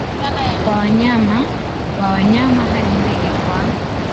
kwa wanyama wa wanyama hadi ndege kwa